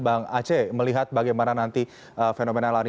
bang aceh melihat bagaimana nanti fenomena lari